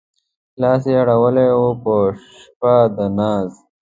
لاس يې اړولی و په شپه د ناز